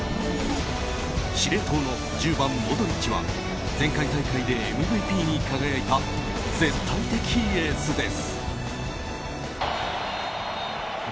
司令塔の１０番モドリッチは前回大会でＭＶＰに輝いた絶対的エースです。